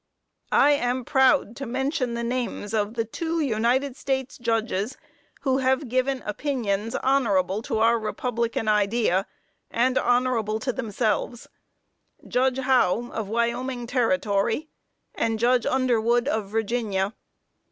I am proud to mention the names of the two United States Judges who have given opinions honorable to our republican idea, and honorable to themselves Judge Howe, of Wyoming Territory, and Judge Underwood, of Virginia.